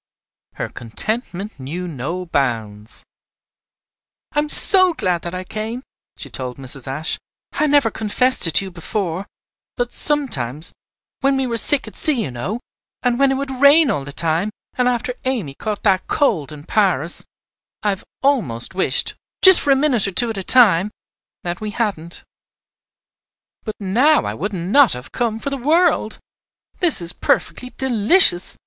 Her contentment knew no bounds. "I am so glad that I came," she told Mrs. Ashe. "I never confessed it to you before; but sometimes. when we were sick at sea, you know, and when it would rain all the time, and after Amy caught that cold in Paris I have almost wished, just for a minute or two at a time, that we hadn't. But now I wouldn't not have come for the world! This is perfectly delicious.